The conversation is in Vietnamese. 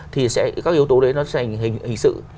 thì các yếu tố đấy nó sẽ hình sự